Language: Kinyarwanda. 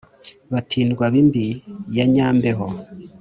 batindwa bi mbi ya nyambeho